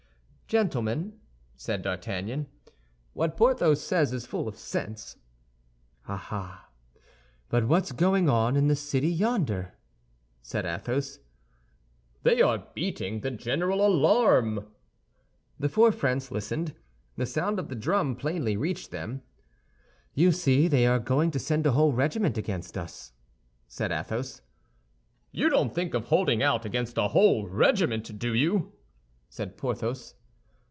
"Gentlemen," said D'Artagnan, "what Porthos says is full of sense." "Ah, ah! but what's going on in the city yonder?" said Athos. "They are beating the general alarm." The four friends listened, and the sound of the drum plainly reached them. "You see, they are going to send a whole regiment against us," said Athos. "You don't think of holding out against a whole regiment, do you?" said Porthos.